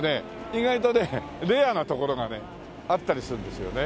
意外とねレアな所がねあったりするんですよね。